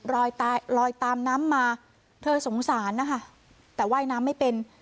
ลอยตายลอยตามน้ำมาเธอสงสารนะคะแต่ว่ายน้ำไม่เป็น